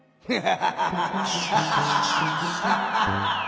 ハハハハ。